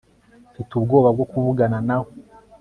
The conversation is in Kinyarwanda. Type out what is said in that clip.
Mfite ubwoba bwo kuvugana nawe